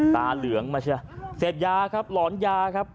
เหลืองมาใช่ไหมเสพยาครับหลอนยาครับ